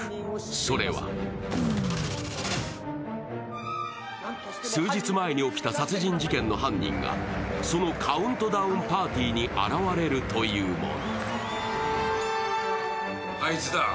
それは数日前に起きた殺人事件の犯人がそのカウントダウン・パーティーに現れるというもの。